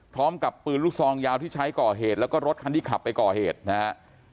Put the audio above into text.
พร้อมกับปืนลูกซองยาวที่ใช้ก่อเหตุแล้วก็รถคันที่ขับไปก่อเหตุนะฮะ